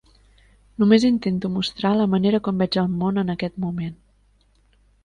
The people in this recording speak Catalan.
Només intento mostrar la manera com veig el món en aquest moment.